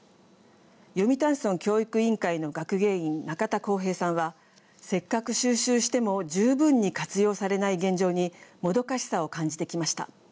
読谷村教育委員会の学芸員中田耕平さんはせっかく収集しても十分に活用されない現状にもどかしさを感じてきました。